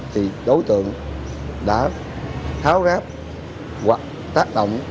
thì đối tượng đã tháo ráp hoặc tác động